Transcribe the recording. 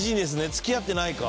付き合ってないか。